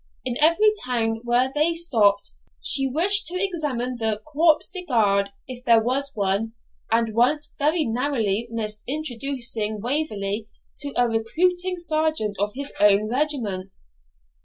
In every town where they stopped she wished to examine the corps de garde, if there was one, and once very narrowly missed introducing Waverley to a recruiting sergeant of his own regiment.